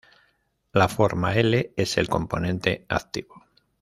La forma L es el componente activo.